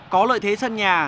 có lợi thế sân nhà